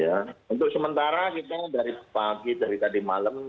untuk sementara kita dari pagi dari tadi malam